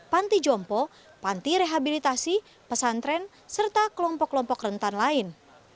panti jompo panti rehabilitasi pesantren serta kelompok kelompok rentan lain